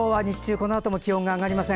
このあとも気温が上がりません。